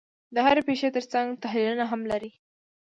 د هرې پېښې ترڅنګ تحلیلونه هم لري.